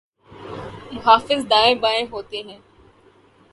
محافظ دائیں بائیں ہوتے ہیں۔